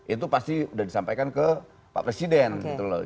itu pasti udah disampaikan ke pak presiden gitu loh